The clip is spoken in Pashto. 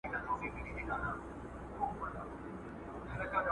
لرغوني يونانيان د سياست او ښار ترمنځ توپير نه کوي.